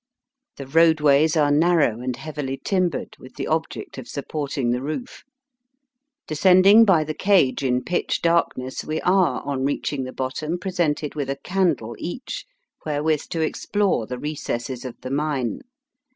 The roadways are narrow and heavily timbered, with the object of supporting the roof. Descending by the cage in pitch dark ness, we are on reaching the bottom 'presented with a candle each, wherewith to explore the recesses of the mine.